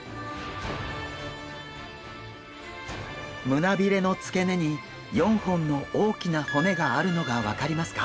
胸びれの付け根に４本の大きな骨があるのが分かりますか？